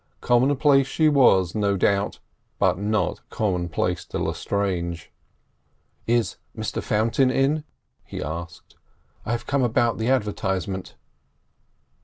Commonplace she was, no doubt, but not commonplace to Lestrange. "Is Mr Fountain in?" he asked. "I have come about the advertisement."